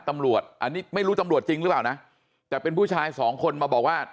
ตำรวจอันนี้ไม่รู้ตำรวจจริงหรือเปล่านะแต่เป็นผู้ชายสองคนมาบอกว่า